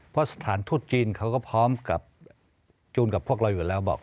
เพราะสถานทูตจีนเขาก็พร้อมกับจูนกับพวกเราอยู่แล้วบอก